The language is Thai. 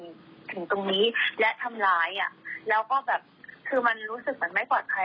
ถึงตรงนี้และทำร้ายอ่ะแล้วก็แบบคือมันรู้สึกมันไม่ปลอดภัย